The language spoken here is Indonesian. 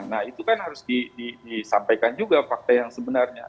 nah itu kan harus disampaikan juga fakta yang sebenarnya